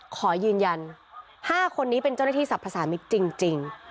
ขอยืนยันห้าคนนี้เป็นเจ้าหน้าที่ศัพท์ภาษามิตรจริงจริง